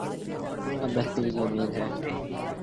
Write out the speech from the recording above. اب بہتری کی امید ہے۔